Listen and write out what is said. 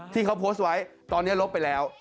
ที่เขาโพสต์ไว้ตอนนี้ลบไปแล้ว